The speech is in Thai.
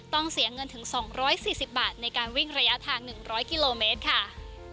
ต้องเสียเงินถึง๒๔๐บาทในการวิ่งระยะทาง๑๐๐กิโลเมตรค่ะ